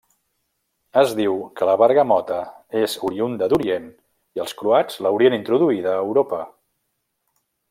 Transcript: Es diu que la bergamota és oriünda d'Orient i els croats l'haurien introduïda a Europa.